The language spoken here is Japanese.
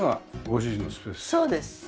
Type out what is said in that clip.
そうです。